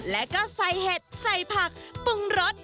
แล้วก็ใส่เห็ดใส่ผักปรุงรส